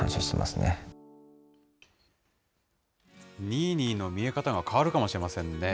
ニーニーの見え方が変わるかもしれませんね。